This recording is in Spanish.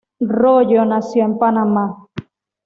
Royo nació en Panamá.